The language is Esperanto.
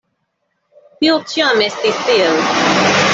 Tio ĉiam estis tiel.